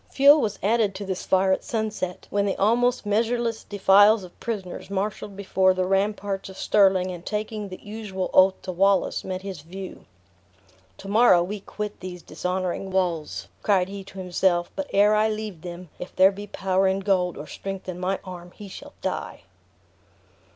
Fuel was added to this fire at sunset, when the almost measureless defiles of prisoners, marshaled before the ramparts of Stirling, and taking the usual oath to Wallace, met his view. "To morrow we quit these dishonoring wall," cried he to himself: "but ere I leave them, if there be power in gold, or strength in my arm, he shall die!"